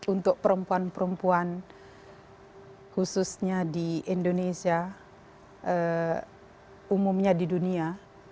untuk perempuan perempuan khususnya di indonesia umumnya di dunia